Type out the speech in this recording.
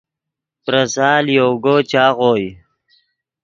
پریسال یوگو چاغوئے